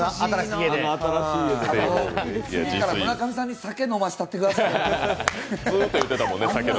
村上さんに酒飲ましたってください。